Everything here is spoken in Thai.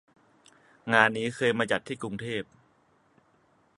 งานนี้เคยมาจัดที่กรุงเทพ